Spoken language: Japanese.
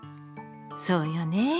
そうよね。